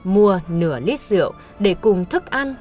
mua nửa lít rượu để cùng thức ăn